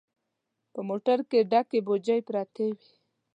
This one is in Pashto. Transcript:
په موټر کې ډکې بوجۍ پرتې وې.